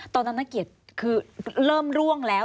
ตอนนั้นนักเกียรติคือเริ่มร่วงแล้ว